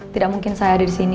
tidak mungkin saya ada di sini